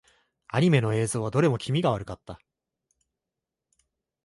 アニメの映像はどれも気味が悪かった。